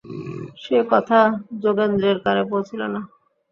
সে কথা যোগেন্দ্রের কানে পৌঁছিল না।